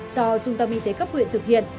do trung tâm y tế cấp huyện thực hiện